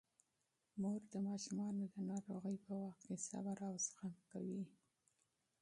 مور د ماشومانو د ناروغۍ په وخت کې صبر او تحمل کوي.